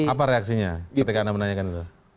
apa reaksinya ketika anda menanyakan itu